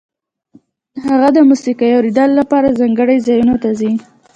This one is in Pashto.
هغه د موسیقۍ اورېدو لپاره ځانګړو ځایونو ته ځي